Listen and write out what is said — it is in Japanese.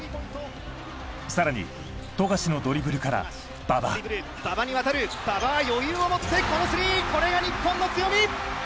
さらに富樫のドリブルから馬場馬場に渡る馬場は余裕を持ってこのスリーこれが日本の強み